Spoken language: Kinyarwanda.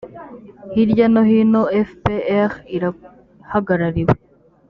hirya no hino fpr irahagarariwe.